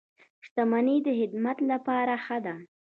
• شتمني د خدمت لپاره ښه ده.